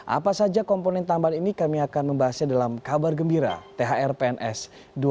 apa saja komponen tambahan ini kami akan membahasnya dalam kabar gembira thr pns dua ribu dua puluh